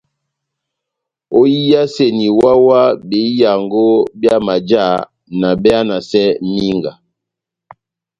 Óhiyaseni wáhá-wáhá behiyango byá majá na behanasɛ mínga.